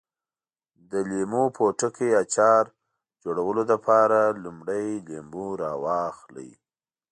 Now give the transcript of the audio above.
د لیمو پوټکي اچار جوړولو لپاره لومړی لیمو راواخلئ.